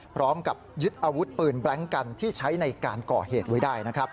พร้อมกับยึดอาวุธปืนแบล็งกันที่ใช้ในการก่อเหตุไว้ได้นะครับ